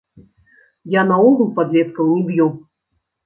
Я наогул падлеткаў не б'ю.